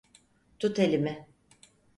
Tut elimi.